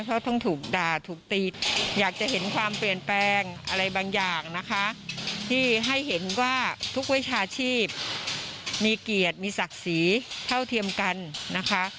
เพราะต้องถูกด่าถูกตีอยากจะเห็นความเปลี่ยนแปลงอะไรบางอย่างนะคะที่ให้เห็นว่าทุกวิชาชีพมีเกียรติมีศักดิ์ศรีเท่าเทียมกันนะคะ